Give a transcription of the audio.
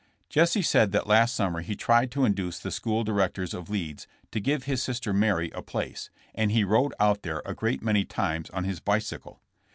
Jesse said that last summer he tried to induce the school directors of Leeds to give his sister Mary a place, and he rode out there a great many times on his bicycle.